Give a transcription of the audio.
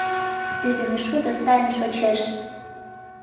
Ӱдымӧ шудо сайын шочеш.